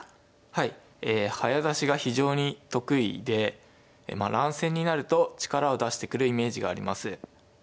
はいえ早指しが非常に得意で乱戦になると力を出してくるイメージがあります。